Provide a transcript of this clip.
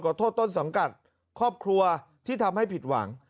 โทษต้นสังกัดครอบครัวที่ทำให้ผิดหวัง